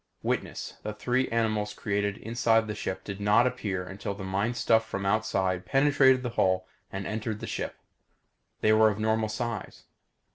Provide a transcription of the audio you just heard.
Witness: The three animals created inside the ship did not appear until the mind stuff from outside penetrated the hull and entered the ship. They were of normal size.